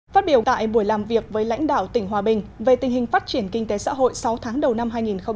phát biểu tại buổi làm việc với lãnh đạo tỉnh hòa bình về tình hình phát triển kinh tế xã hội sáu tháng đầu năm hai nghìn một mươi chín